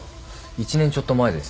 １年ちょっと前です。